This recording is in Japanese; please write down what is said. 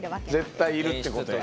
絶対いるって事や。